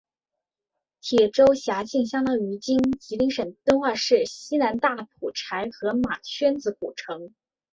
铁州辖境相当今吉林省敦化市西南大蒲柴河马圈子古城。